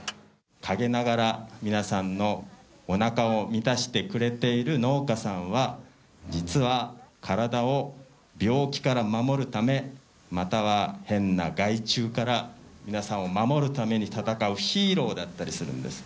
陰ながら皆さんのおなかを満たしてくれている農家さんは実は体を病気から守るためまたは変な害虫から皆さんを守るために戦うヒーローだったりするんです。